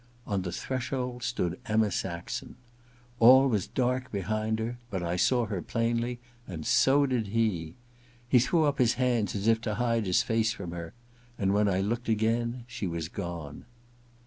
On the threshold stood Emma Saxon. All was dark behind her, but I saw her plainly, and so did he. He threw up his hands as if to hide his face from her ; and when I looked again she was gone.